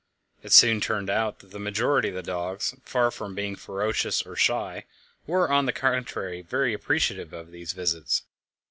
It soon turned out that the majority of the dogs, far from being ferocious or shy, were, on the contrary, very appreciative of these visits.